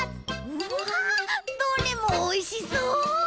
うわどれもおいしそう！